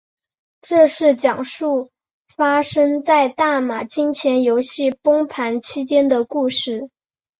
这是讲述发生在大马金钱游戏崩盘期间的故事。